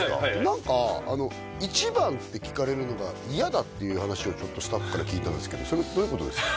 何か一番って聞かれるのが嫌だっていう話をスタッフから聞いたんですけどそれどういうことですか？